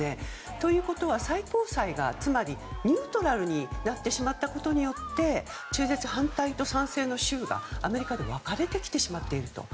ということは最高裁がニュートラルになってしまったことによって中絶反対と賛成の州がアメリカで分かれてきてしまっていると。